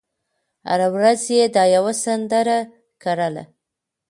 هره ورځ یې دا یوه سندره کړله